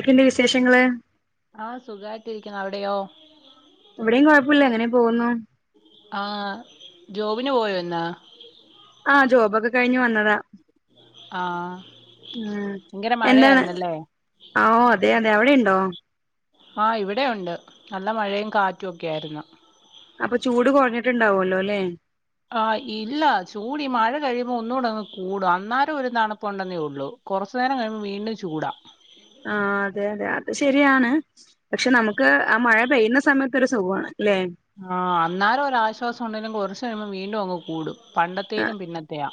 ക്കെണ്ട് വിശേഷങ്ങള് ആഹ് സുഖായിട്ടിരിക്കുന്നു. അവിടെയോ? ഇവിടെയും കൊഴപ്പുല്ല. ഇങ്ങനെ പോകുന്നു. ആഹ് ജോബിന് പോയ് വന്നാ ആഹ് ജോബോക്കെ കഴിഞ്ഞ് വന്നതാ ആഹ് ങ്കര മഴയായിരുന്നല്ലേ? ആഹ്. അതെയതെ അവിടെണ്ടോ? ആഹ് ഇവിടെയൊണ്ട്. നല്ല മഴയും കാറ്റു ഒക്കെ ആയിരുന്നു. അപ്പ ചൂട് കൊറഞ്ഞിട്ടുണ്ടാവല്ലോ അല്ലേ? ആഹ് ഇല്ല. ചൂടി മഴ കഴിയുമ്പോ ഒന്നുകൂടങ്ങ് കൂടും. അന്നേരം ഒരു തണുപ്പുണ്ടെന്നേ ഉള്ളൂ. കൊറച്ച് നേരം കഴിയുമ്പോ വീണ്ടും ചൂടാ ആഹ് അതെ അതെ. അത് ശരിയാണ്. പക്ഷെ നമുക്ക് ആ മഴ പെയ്യുന്ന സമയതൊരു ഒരു സുഖമാണ് അല്ലെ ആഹ് അന്നാലും ഒരാശ്വാസം ഉണ്ടെങ്കിലും കുറച്ചു കഴിയുമ്പോം വീണ്ടും അങ്ങ് കൂടും ആ പണ്ടത്തേലും പിന്നത്തെയയാ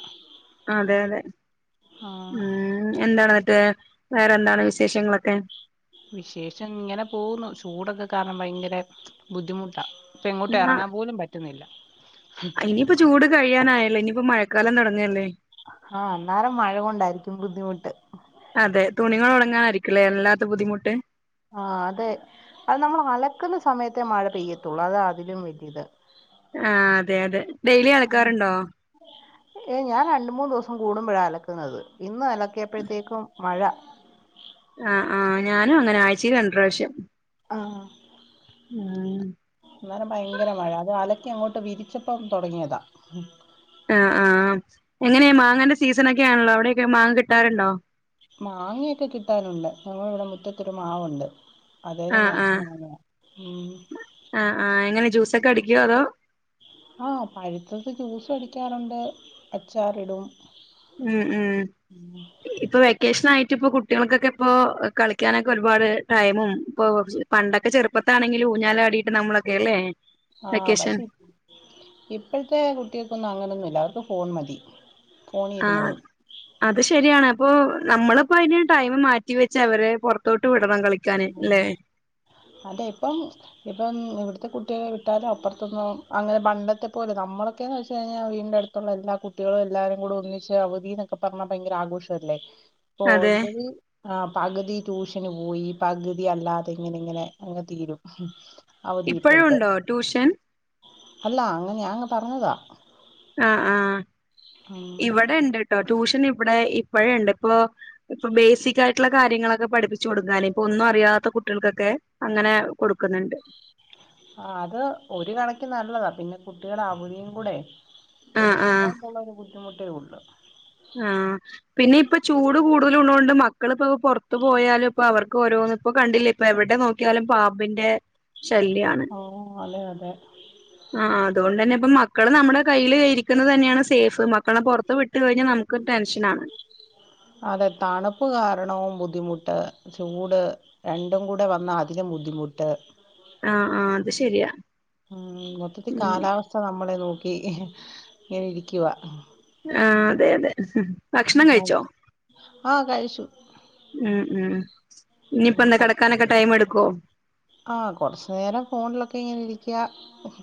അതെ അതെ ഉം എന്താണ് മറ്റേ വേറെന്താണ് വിശേഷങ്ങളൊക്കെ വിശേഷം ങ്ങനെ പോകുന്നു ചൂടൊക്കെ കാരണം ഭയങ്കര ബുദ്ധിമുട്ടാ ബുദ്ധിമുട്ട ആ എറങ്ങാൻ പോലും പറ്റുന്നില്ല നിയിപ്പ ചൂട് കഴിയാനായല്ലേ ഇനിയിപ്പോ മഴക്കാലം തുടങ്ങല്ലേ ആഹ് അന്നേരം മഴ കൊണ്ടായിരിക്കും ബുദ്ധിമുട്ട് അതെ തുണികൾ ഓണങ്ങാനായിരിക്കില്ലേ എല്ലാത്ത ബുദ്ധിമുട്ട് ആഹ് അതെ അത് നമ്മൾ അലക്കുന്ന സമയത്തെ മഴ പെയ്യത്തുള്ളു അത് അതിലും വലിയത് ആഹ് അതെ അതെ ഡെയിലി അ ലക്കാറുണ്ടോ ഏ ഹ് ഞാൻ രണ്ട് മൂന്ന് ദിവസം കൂടുമ്പഴാ അലക്കുന്നത് ഇന്ന് അലക്കിയപ്പഴത്തേക്കും മഴ ആഹ് ആഹ് ഞാനും അങ്ങനാ ആഴ്ചീല് രണ്ട് പ്രാവശ്യം ആഹ് ഉം അന്നരം ഭയങ്കര മഴ അത് അലക്കി അങ്ങോട്ട് വിരിച്ചപ്പം തുടങ്ങിയതാ ആഹ് ആഹ് എങ്ങനെയാ മാങ്ങന്റെ സീസൺനൊക്കെ ആണല്ലോ അവിടെക്കെ മാങ്ങ കിട്ടാറുണ്ടോ മാങ്ങയൊക്കെ കിട്ടാനുണ്ട് ഞങ്ങിവിടെ മുറ്റത്തൊരു മാവുണ്ട് അതേല് ആഹ് നറച്ച് ആഹ് മാങ്ങയാ ഉം ആഹ് ആ ഹ് എങ്ങനെ ജ്യൂസൊക്കെ അടിക്കോ അതോ ആഹ് പഴുത്തത്ത് ജ്യൂസ് അടിക്കാറുണ്ട് അച്ചാറിടും ഉം ഉം ഇപ്പൊ വെക്കേഷൻ ആയിട്ട് ഇപ്പൊ കുട്ടികൾക്കൊക്കെ ഇപ്പൊ കളിക്കാനൊക്കെ ഒരുപാട് ടൈമും ഇപ്പൊ പണ്ടൊക്കെ ചെറുപ്പത്താണെങ്കിൽ ഊഞ്ഞാല ആടിയിട്ട് നമ്മളൊക്കെ അല്ലേ ആഹ് വെക്കേഷൻ പക്ഷെ ഇപ്പോഴത്തെ കുട്ടികൾക്കൊന്നും അങ്ങനൊന്നുമല്ല അവർക്ക് ഫോൺ മതി ഫോണിൽ ആഹ് ഇരുന്നോളും അത് ശരിയാണ് അപ്പൊ നമ്മളിപ്പോ അയിനു ടൈം മാറ്റി വെച്ച് അവര് പുറത്തോട്ട് വിടണം കളി ആ ഹ് അതെ ഇപ്പം ഇപ്പം ഇവിടത്തെ കുട്ടികളെ വിട്ടാലും അപ്പറത്തൊന്നും അങ്ങനെ പണ്ടത്തെ പോല നമ്മളൊക്കെന്ന് വെച്ച കഴിഞ്ഞാൽ വീടിന്റെ അടുത്ത് തുള്ള എല്ലാ കുട്ടികളും എല്ലാവാരും കൂടെ ഒന്നിച്ച് അവധി എന്നൊക്കെ പറഞ്ഞാ ഭയങ്കര ആഘോഷല്ലേ അതെ പോൻ്റെത് ആ പകുതി ട്യൂഷന് പോയി പകുതി അല്ലാതെ ഇങ്ങനെ ഇങ്ങനെ അങ്ങെ തീരും അവധി ഇപ്പഴും ഇപ്പോഴത്തെ ഉണ്ടോ ട്യൂഷൻ അല്ല അങ്ങനെ അങ്ങ് പറഞ്ഞതാ ആ ഹ് ആഹ് ഉം ഇവിടെ ഉണ്ട് ട്ടോ ട്യൂഷൻ ഇവിടെ ഇപ്പഴുണ്ട് ഇപ്പൊ ഇപ്പൊ ബേസിക്കായിട്ട് ട്ടുള്ള കാര്യങ്ങളൊക്കെ പഠിപ്പിച്ചച്ച് കൊടുക്കാനും ഇപ്പൊ ഒന്നും അറിയാത്ത കുട്ടികൾക്കൊക്കെ അങ്ങനെ കൊടുക്കുന്നുണ്ട് ആഹ് അത് ഒരു കണക്കിന് നല്ലതാ പിന്നെ കുട്ടികൾ അവധിയും കൂടെ ആഹ് എടുക്കുന്ന ആഹ് കൊണ്ടുള്ള ഒരു ബുദ്ധിമുട്ടേ ഉള്ളു ആ ഹ് പിന്നെ ഇപ്പ ചൂട് കൂടുതലുള്ളൊണ്ട് മക്കളിപ്പ പുറത്തു പോയാലും ഇപ്പൊ അവർക്ക് ഓരോന്ന് ഇപ്പൊ കണ്ടില്ലേ ഇപ്പൊ എവിടെ നോക്കിയാലും പാമ്പിന്റെ ശല്യാണ് ഓ അതെ അതെ ആഹ് അതുകൊണ്ട് തന്നെ ഇപ്പ മക്കള് നമ്മുടെ കയ്യില് യിരിക്കുന്നത് തന്നെയാണ് സേഫ് മക്കളെ പുറത്ത് വിട്ട് കഴിഞ്ഞൽ നമു ക്ക് ടെൻഷൻ ആണ് അതെ തണുപ്പ് കാരണവും ബുദ്ധിമുട്ട് ചൂട് രണ്ടും കൂടെ വന്ന അതിലും ബുദ്ധിമുട്ട് ആഹ് ആഹ് അത് ശരിയാ ഉം മൊത്തത്തി ഉം കാലാവസ്ഥ നമ്മളെ നോക്കി ഇങ്ങനെ ഇരിക്കുവാ ആഹ് അതെ അതെ ഭക്ഷണം കഴിച്ചോ ആഹ് കഴിച്ചു ഉം ഉം ഇനിയിപ്പൊ ഉം എന്ത കപ് കിടക്കാനൊക്കെ ടൈം എടുക്കോ ആഹ് കുറച്ചു നേരം ഫോണിലൊക്കെ ഇങ്ങനെ ഇരിക്ക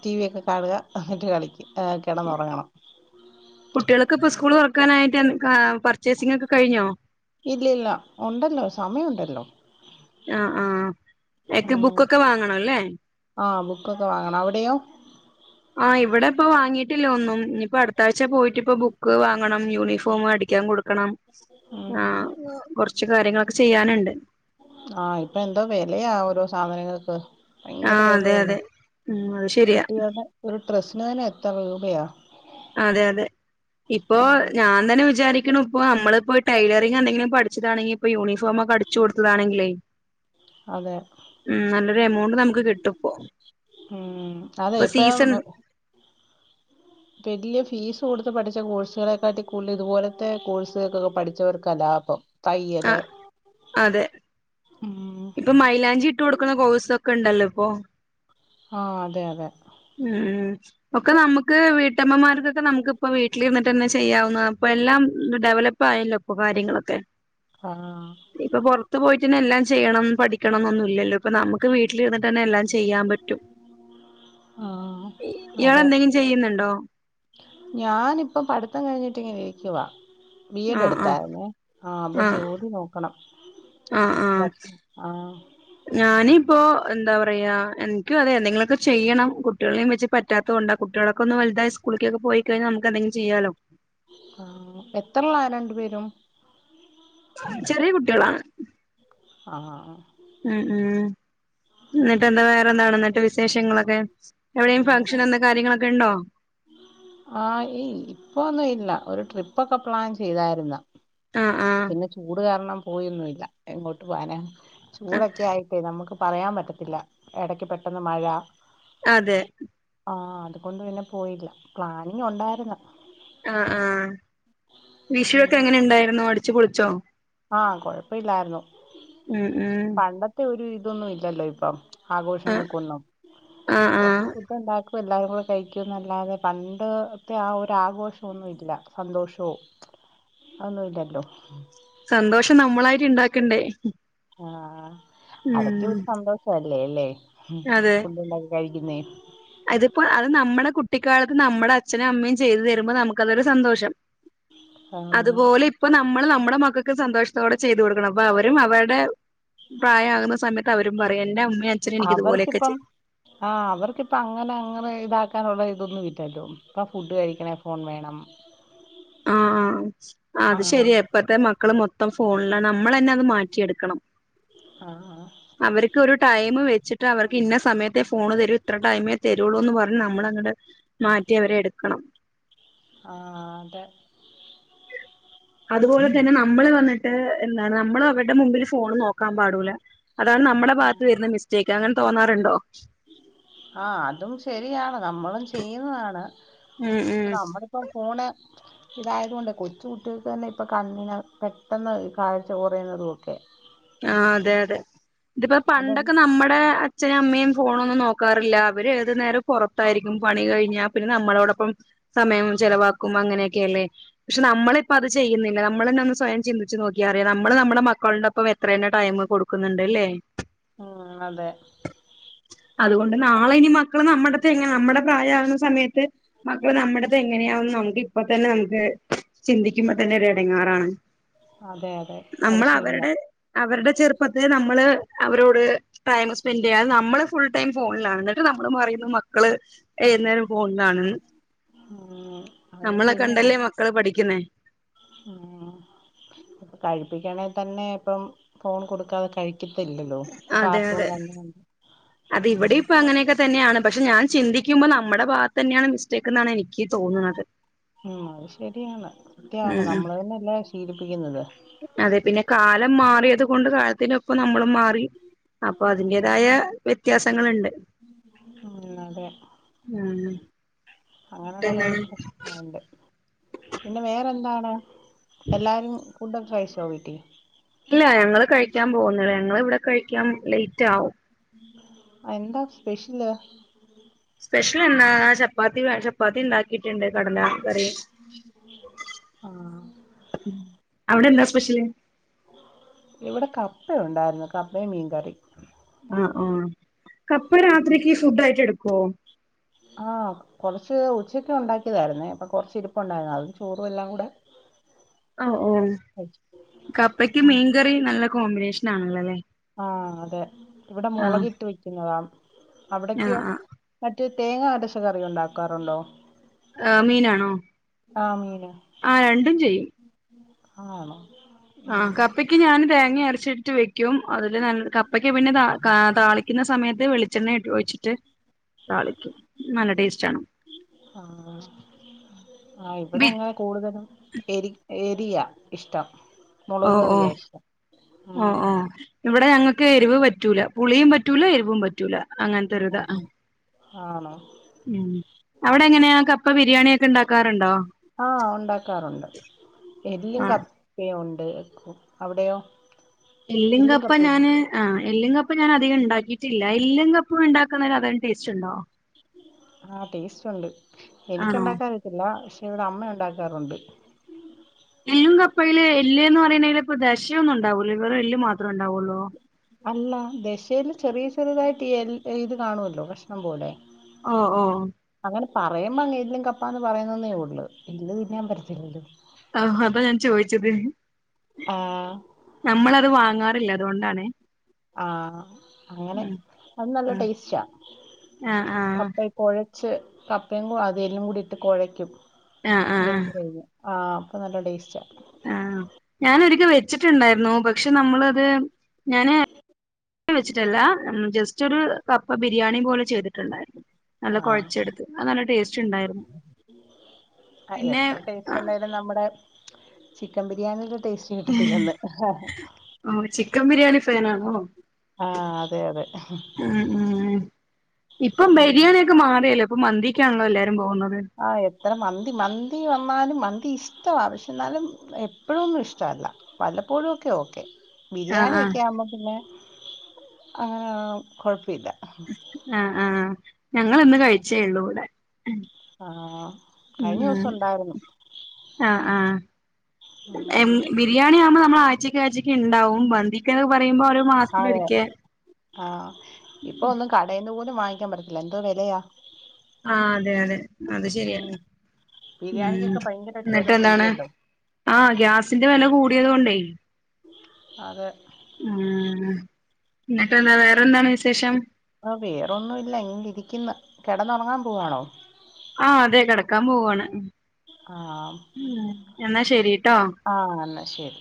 ടി വി ഒക്കെ കാണുക എന്നിട്ട് കളിക്കും കിടന്നുറങ്ങണം കുട്ടികൾക്ക് ഇപ്പ സ്കൂൾ കുറക്കാനായിട്ട് എ പർച്ചേസിംഗക്കെ കഴിഞ്ഞോ ഇല്ല ഇല്ല ഉണ്ടല്ലോ സമയുണ്ടല്ലോ ആഹ് ആഹ് എക്ക ഉം ബുക്കൊക്കെ വാങ്ങണവല്ലേ ആഹ് ബുക്കൊക്കെ വാങ്ങണം അവിടെയോ ആഹ് ഇവിടെ ഇപ്പ വാങ്ങിട്ടില്ല ഒന്നും ഇനിയിപ്പോ അടു ത്താഴ്ച പോയിട്ടിപ്പ ബുക്ക് വാങ്ങണം യൂണിഫോം അടിക്കാൻ കൊടുക്കണം ഉം ആഹ് കൊറച്ച് കാര്യങ്ങളൊക്കെ ചെയ്യാനുണ്ട് ആഹ് ഇപ്പൊ എന്തോ വിലയാ ഓരോ സാധനങ്ങൾക്ക് ഭയങ്കര ആഹ് അതെ വിലയല്ലേ അതെ ഉം അത് ശരിയാ കുട്ടികളുടെ ഒരു ഡ്രസ്സിന് തന്നെ എത്ര രൂപയാ അതെ അതെ ഇപ്പോ ഉം ഞാൻ ഇങ്ങനെ വിചാരിക്ക്ണു ഇപ്പോ നമ്മളിപ്പോ ടെയ്ലറിംഗ് എന്തെങ്കിലും പഠിച്ചതാണെങ്കി ഇപ്പൊ യൂണിഫോമക്കെ അടിച്ചു കൊടുത്ത് വേണെങ്കിലേ അതെ ഉം നല്ലൊരു എമൗണ്ട് നമുക്ക് കിട്ടും ഇപ്പോ ഉം അതെ ഇപ്പ വലയ ഫീസ് കൊടുത്ത് പഠിച്ച കോഴ്സുകളെക്കാട്ടി കൂടുതൽ ഇതുപോലത്തെ കോഴ്സുകൾക്കൊക്കെ പഠിച്ചവർക്ക ലാഭം തയ്യല് ആഹ് അതെ ഉം ഇപ്പൊ മൈലാഞ്ചി ഇട്ട് കൊടുക്കുന്ന കോഴ്സ ഒക്കെ ഉണ്ടല്ലോ ഇപ്പൊ ആഹ് അതെ അതെ ഉം ഒക്കെ നമുക്ക് വീട്ടമ്മമാർക്കൊക്കെ നമുക്ക് ഇപ്പ വീട്ടിലിരുന്നിട്ട് തന്നെ ചെയ്യാവുന്ന അപ്പൊ എല്ലാം ഡെവലപ് പ്പായല്ലൊ ഇപ്പൊ കാര്യങ്ങളൊക്കെ ആഹ് ഇപ്പൊ പുറത്ത് പോയിട്ടന്നെ എല്ലാം ചെയ്യണം പഠിക്കണംഎന്നൊന്നുമില്ലല്ലോ ഇപ്പൊ നമുക് ക്ക് വീട്ടിലിരുന്നിട്ട് തന്നെ എല്ലാം ചെയ്യാൻ പറ്റും ആഹ് ഇയാള് എന്തെങ്കിലും ചെയ്യുന്നുണ്ടോ ഞാനിപ്പ പഠിത്തം കഴിഞ്ഞിട്ടിങ്ങനെ ഇരിക്കുവ ബി എഡ് ആഹ് ആഹ് എടുത്തായിരുന്നേ ആഹ് അപ്പൊ ജോലി നോക്കണം ആഹ് ആഹ് ആഹ് ഞാനിപ്പോ എന്താ പറയാ എനിക്കും അതെ എന്തെങ്കിലുമൊക്കെ ചെയ്യണം കുട്ടികളെയും വെച്ച് പറ്റാത്ത കൊണ്ട കുട്ടികളൊക്കെ ഒന്ന് വലുതായി സ്കൂളിലേക്ക് പോയി കഴിഞ്ഞാൽ നമുക്ക് എന്തെങ്കിലും ചെയ്യാലോ ആഹ് എത്രളാ രണ്ടു പേരും ചെറിയ കുട്ടികളാണ് ആഹ് ആഹ് ആഹ് ഉം ഉം എന്നിട്ട് എന്താ വേറെന്താണ് ഇന്നത്തെ വിശേഷങ്ങളൊക്കെ എവിടെേയും വേറെ ഫംഗങ്ഷൻ എന്ത കാര്യങ്ങളൊക്കെ ഇണ്ടോ ആഹ് ഈ ഇപ്പൊന്നും ഇല്ല ഒരു ട്രിപ്പ ഒക്കെ പ്ലാൻ ചെയ്താരുന്നു ആഹ് ആഹ് ചൂട് കാരണം പോയൊന്നും ഇല്ല എങ്ങോട്ട് പോന ആഹ് ചൂടൊക്കെ ആയിട്ടേ നമുക്ക് പറയാൻ പറ്റത്തില്ല ഇടക്ക് പെട്ടെന്ന് മഴ അതെ ആഹ് അതുകൊണ്ട് പിന്നെ പോയില്ല പ്ലാനിങ് ഒണ്ടാരുന്ന് ആഹ് ആഹ് വിഷുവൊക്കെ ഉം എങ്ങനെ ഉണ്ടായിരുന്നു അടിച്ചു പൊളിച്ചോ ആഹ് കൊഴപ്പ ഇല്ലാരുന്നു ഉം ഉം പണ്ടത്തെ ഒരു ഇതൊന്നും ഇല്ലല്ലോ ഇപ്പം ആഹ് ആഘോഷങ്ങക്കൊന്നും ആഹ് കുറച്ച് ആഹ് ഫുഡണ്ടാ ക്കും എല്ലാരും കൂടെ കഴിക്കെന്നല്ലാതെ പണ്ട്ത്തെ ആ ഒരു ആഘോഷോ ഒന്നു ഇല്ല സന്തോഷോ ഒന്നും ഇല്ലല്ലോ സന്തോഷം നമ്മളായിട്ട് ഇണ്ടാക്കണ്ടേ ആഹ് അതൊക്കെ ഉം ഒരു സന്തോഷ അല്ലേ അല്ലേ അതെ ഫുഡുണ്ടാക്കി കഴിക്കുന്നേ അതിപ്പോ അത് നമ്മുടെ കുട്ടിക്കാലത്ത് നമ്മുടെ അച്ഛനും അമ്മയും ചെയ്തു തരുമ്പോ നമുക്കതൊരു സന്തോഷം ആഹ് അതുപോലെ അപ്പൊ നമ്മൾ നമ്മുടെ മക്കക്ക് സന്തോഷത്തോടെ ചെയ്തു കൊടുക്കണം അപ്പൊ അവരും അവർടെ പ്രായഅകുന്ന സമത്ത് അവരും പറയും എന്റെ അമ്മയും അച്ഛനു എനിക്ക് ഇതുപോലെക്കെ ചെ അവർക്കിപ്പം ആഹ് അവർക്കിപ്പ അങ്ങനെ അങ്ങനെ ഇതാക്കാനുള്ള ഇതൊന്നും ഇലാല്ലോ ഇപ്പൊ ഫുഡ് കഴിക്കണേ ഫോൺ വേണം ഉ ആഹ് ആഹ് അത് ശരിയ ഇപ്പഴത്തെ മക്കള് മൊത്തം ഫോണില നമ്മൾ തന്നെ അത് മാറ്റിയെടുക്കണം ആഹ് ആഹ് അവര്ക്ക് ഒരു ടൈമ് വെച്ചിട്ട് അവർക്ക് ഇന്ന സമയത്തെേ ഫോണ് തരൂ ഇത്ര ടൈമേ തരുള്ളൂ എന്ന് പറഞ്ഞ് നമ്മളങ്ങട് മാറ്റി അവരെ എടുക്കണം ആഹ് അതെ അതുപോലെ തന്നെ നമ്മള് വന്നിട്ട് എന്താണ് നമ്മൾ അവരുടെ മുമ്പിൽ ഫോൺ നോക്കാൻ പാടൂല അതാണ്. നമ്മുടെ ബാഗത്ത് വരുന്ന മിസ്റ്റേക്ക് അങ്ങനെ തോന്നാറുണ്ടോ ആഹ് അതും ശരിയാണ് നമ്മളും ചെയ്യുന്നതാണ് ഉം ഉം പക്ഷെ നമ്മടെ ഇപ്പം ഫോണ് ഇതായത് കൊണ്ട് കൊച്ചു കുട്ടികൾക്ക് തന്നെ ഇപ്പൊ കണ്ണിന് പെട്ടെന്ന് ഈ കാഴ്ച കുറയുന്നതുഒക്കെ ആ അതെ അതെ ഇതിപ്പോ അതെ പണ്ടൊക്കെ നമ്മടെ അച്ഛനും അമ്മയും ഫോണൊന്നും നോക്കാറില്ല അവര് ഏതു നേരം പുറത്തായിരിക്കും പണി കഴിഞ്ഞാൽ പിന്നെ നമ്മളോടൊപ്പം സമയം ചെലവാക്കും അങ്ങനെ ഓക്കെ അല്ലേ പക്ഷെ നമ്മളിപ്പൊ അത് ചെയ്യുന്നില്ല നമ്മളന്നെ ഒന്ന് സ്വയം ചിന്തിച്ച് നോക്കിയാറിയാം നമ്മള് നമ്മടെ മക്കള്ടൊപ്പം എത്രേന്ന ടൈമ് കൊടുക്കുന്നുണ്ട് എല്ലേ ഉം അതെ അതുകൊണ്ട് നാളെ ഇനി മക്കള് നമ്മടത്എങ്ങന നമ്മുടെ പ്രായവുന്ന സമയത്ത് മക്കള് നമ്മട്ത്തെ എങ്ങനെയാവെന്ന് നമുക്കി ഇപ്പൊതന്നെ നമുക്ക് ചിന്തിക്കുമ്പോ തന്നെ ഒരു എടങ്ങാറാണ് അതെ അതെ അത് നമ്മൾ ശരിയാ അവര്ടെ അവര്ടെ ചെറുപ്പത്തെ നമ്മള് അവരോട് ടൈമ് സ്പെൻഡ്യ്യാതെ നമ്മള് ഫുൾ ടൈം ഫോണിലണ് എന്നിട്ട് നമ്മള് പറയുന്നു മക്കള് ഏത് നേരം ഫോണിലണന്ന് ഉം അത് നമ്മളെ കണ്ടല്ലേ മക്കള് പഠിക്കുന്നേ ആഹ് കഴിപ്പിക്കണെ തന്നെ ഇപ്പം ഫോൺ കൊടുക്കാതെ കഴി ഇപ്പല്ലല്ലോ അതെ കാർട്ടൂൺ അതെ ക [unintelligible] അത് ഉം ഇവിടെ ഇപ്പ അങ്ങനെയൊക്കെ തന്നെയാണ് പക്ഷെ ഞാൻ ചിന്തിക്കുമ്പോ നമ്മുടെ ബാഗത്ത് തന്നെയാണ് മിസ്റ്റേക്ക് എന്നാണ് എനിക്ക് തോന്നുന്നത് ഉം അത് ശരിയാണ് ഉം കൃത്യാണ് ഉം നമ്മളന്നെല്ലേ അത് ശീലിപ്പിക്കുന്നത് അതെ പിന്നെ കാലം മാറിയത് കൊണ്ട് കാലത്തിനൊപ്പം നമ്മളും മാറി അപ്പൊ ഉം അതിന്റേതായ വ്യത്യാസങ്ങുണ്ട് ഉം അതെ ഉം അങ്ങനെ കൊറേ ന്നിട്ടെന്താണ് പ്രശ്നങ്ങളുണ്ട് പിന്നെ വേറെന്താണ് എല്ലാരും ഫുഡൊക്കെ കയിച്ചോ വീട്ടിൽ ഇല്ല ഞങ്ങള് കഴിക്കാൻ പോകുന്ന തേള്ളു ഞങ്ങള് ഇവിടെ കഴിക്കാൻ ലേറ്റ് ആവും എന്താ സ്പെഷ്യല് സ്പെഷ്യൽ എന്നാ ചപ്പാത്തി ചപ്പാത്തി ഉണ്ടാക്കിട്ടുണ്ട് കടല കറി ആഹ് അവിടെ എന്താ സ്പഷ്യല് ഇവിടെ കപ്പയുണ്ടായിരുന്നു കപ്പയും മീൻകറി അഹ് ആഹ് കപ്പ രാത്രിക്ക് ഫുഡ് ആയിട്ട് എടുക്കുവോ ആഹ് കുറച്ച് ഉച്ചക്ക് ഉണ്ടാക്കിയതായിര്ന്നേ ഇപ്പൊ കൊറച്ച് ഇരിപ്പണ്ടായിരുന്നു അതും ചോറും എല്ലാം കൂടെ [inaudible] ഓഹ് ഓഹ് കഴിച്ചു കപ്പയ്ക്ക് ഉം മീൻകറി നല്ല കോമ്പിനേഷൻ ആണല്ലോല്ലേ ആഹ് അതെ ഇവിടെ മുളക് ഇട്ടു വെക്കുന്നതാ ആഹ് അവിടക്കെയോ ആഹ് മറ്റേ തേങ്ങ അരച്ച് കറി ഉണ്ടാക്കാറുണ്ടോ ആഹ് മീനാണോ ആ മീനും ആഹ് രണ്ടും ചെയ്യും ആണോ ആഹ് ഉം കപ്പയ്ക്ക് ഞാൻ തേങ്ങ അരച്ചിട്ട് വെ ക്ക്യും അതില് നല്ല കപ്പയ്ക്ക് പിന്നെ താ കാ താളിക്കുന്ന സമയത്ത് വെളിച്ചെണ്ണ [unintelligible] ഒഴിച്ചിട്ട് താളിക്കും. നല്ല ടേസ്റ്റ് ആണ്. ആഹ് ആഹ് ഇവിടെ ബി അങ്ങനെ കൂടുതലും എരി എരിയ ഇഷ്ടം മുളക് ഓഹ് കറിയാ ഓഹ് ഇഷ്‌ടം. ഉം ഓഹ് ഓഹ് ഇവിടെ ഞങ്ങൾക്ക് എരിവ് പറ്റൂല പുളിയും പറ്റൂല എരിവും പറ്റൂല അങ്ങൻ ത്തരുത ഉം ഉം ആണോ ഉം അവിടെ എങ്ങനെയാ കപ്പ ബിരിയാണിയൊക്കെ ഉണ്ടാക്കാറു ആഹ് ഉണ്ടാക്കാറുണ്ട് എല്ലും ആ ക യ ഉണ്ട് എക്കോ അവിടെയോ എല്ലും ഇല്ലിങ്കപ്പ കപ്പയില്ലേ ഞാന് ആഹ് എല്ലും കപ്പും ഞാൻ അധികം ഉണ്ടാക്കിയിട്ടില്ല എല്ലും കപ്പും ഉണ്ടാക്കുന്ന അത് ടേസ്റ്റ് ഉണ്ടോ ആഹ് ടേസ്റ്റ് ഉണ്ട് എനിക്ക് ആണോ ഉണ്ടാക്കാനറിയത്തില്ല പക്ഷെ ഇവിടെ അമ്മ ഉണ്ടാക്കാറുണ്ട്. എല്ലും കപ്പയില് എല്ല് എന്ന് പറയണേൽ ഇപ്പ ദശയൊന്നും ഉണ്ടാവൂല്ലാ വെറും എല്ല് മാത്രേ ഉണ്ടാവുള്ളോ അല്ല ദശയിൽ ചെറിയ ചെറിയതായിട്ട് ഈ എ ഇത് കാണുവല്ലോ കഷ്ണം പോലെ ആഹ് ഓഹ് ഓഫ് അങ്ങനെ പറയുമ്പോ അങ്ങ് എല്ലും കപ്പാ എന്ന് പറയുന്നേ ഉള്ളൂ എല്ല് തിന്നാൻ പറ്റത്തില്ലല്ലോ ആഹ് അതാ ഞാൻ ചോയ്ച്ചത് ആഹ് നമ്മളത് വാങ്ങാറില്ല അതുകൊണ്ടാണെ ആഹ് അങ്ങനെ അത് നല്ല ഉം ടേസ്റ്റാ ആ ആ കപ്പ കൊഴച്ച് കപ്പയും കൂടെ അതെലും കൂടി ഇട്ട് കൊഴക്കും ആ ആ വെന്ത് കഴിഞ് ആഹ് അപ്പ നല്ല ടേസ്റ്റാ ആഹ് ഞാനൊരിക്കൽ വെച്ചിട്ടുണ്ടായിരുന്നു പക്ഷെ നമ്മളത് ഞാന് [inaudible] വെച്ചിട്ടില്ല ഉം ജസ്റ്റ് ജസ്റ്റ്‌ ഒരു കപ്പ ബിരിയാണി പോലെ ചെയ്തിട്ടുണ്ടായിരുന്നു നല്ല ആഹ് കോഴച്ചെടുത്ത് അത് നല്ല ടേസ്റ്റ് ഉണ്ടായിരുന്നു പിന്നെ പിന്നെ നമ്മുടെ ചിക്കൻ ബിരിയാണിയുടെ ടേസ്റ്റ് കിട്ടത്തില്ലന്ന് ഓ ചിക്കൻ ബിരിയാണി ഫാനാണോ ആഹ് അതെ അതെ ഉം ഉം മാറേല്ലേ ഇപ്പൊ മന്തിക്കാണല്ലോ എല്ലാവാരും പോകുന്നത് ആഹ് എത്ര മന്തി മന്തി വന്നാലും മന്തി ഇഷ്ടവാ പക്ഷേ എന്നാലും എപ്പോഴൊന്നും ഇഷ്ടവല്ല വല്ലപ്പോഴുവോക്കെ ഓക്കെ ആഹ് ആഹ് ബിരിയാണിയൊക്കെ ആകുമ്പോ പിന്നെ അങ്ങന കൊഴപ്പില്ല ആഹ് ആഹ് ഞങ്ങളിന്ന് കഴിച്ചേ ഉള്ളൂ ഇവിടെ ആഹ് ഉം കഴിഞ്ഞ ഉം ദിവസം ഉണ്ടായിരുന്നു ആഹ് ആഹ് ഉം ബിരിയാണി ആവുമ്പോൾ നമ്മൾ ആഴ്ചക്ക് ആഴ്ചയ്ക്ക് ഉണ്ടാവും മ ന്തിക്കെന്ന് പറയുമ്പോ ഒരു അതെ മാസത്തിലൊരികെ ആഹ് ഇപ്പൊ ഒന്നും കടെന്ന് പോലും വാങ്ങിക്കാൻ പറ്റത്തില്ല എന്തോ വിലയാ ആഹ് അതെ അതെ അത് ശരിയാണ് ഉം ബിരിയാണിക്കൊക്കെ ഭയങ്കരായിട്ട് എന്നിട്ട് വെല എന്താണ് കൂടിയല്ലോ ആഹ് ഗ്യാസിന്റെ വില കൂടിയത് കൊണ്ടേ അതെ ഉം എന്നിട്ട് എന്താ വേറെന്താണ് വിശേഷം ഓ വേറൊന്നും ഇല്ല ഇങ്ങ ഇരിക്കുന്ന് കിടന്നുറങ്ങാൻ പോവാണോ ആഹ് അതെ കിടക്കാൻ പോവാണ് ആഹ് എന്നാ ശരിട്ടോ ആഹ് അന്ന ശരി